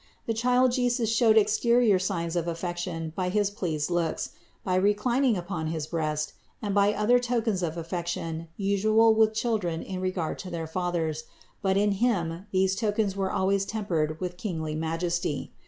The Child Jesus showed exterior signs of affection by his pleased looks, by reclining upon his breast, and by other tokens of affection usual with children in regard to their fathers, but in Him these tokens were always tempered with kingly majesty.